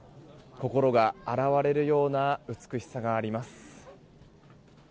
心が洗われるような美しさがあります。